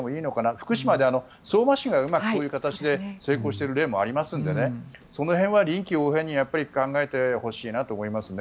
福島の相馬市がうまくそういう形で成功している例もありますのでその辺は臨機応変に考えてほしいなと思いますね。